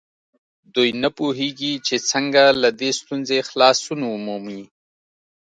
دوی نه پوهېږي چې څنګه له دې ستونزې خلاصون ومومي.